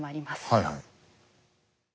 はいはい。